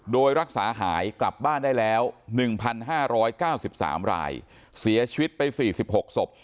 โดยรักษาหายกลับบ้านได้แล้ว๑๕๙๓รายเสียชีวิตไป๔๖ศพ